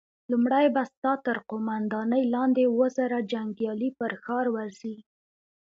لومړی به ستا تر قوماندې لاندې اووه زره جنيګالي پر ښار ورځي!